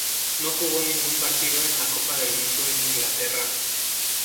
No jugó ningún partido en la copa del Mundo en Inglaterra.